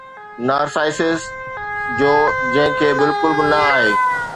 Narcissus جو، جنهن کي بلڪل به نه آهي.